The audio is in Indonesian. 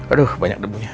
aduh banyak debunya